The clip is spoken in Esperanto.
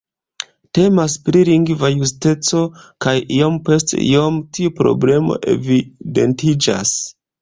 Temas pri lingva justeco kaj iom post iom tiu problemo evidentiĝas.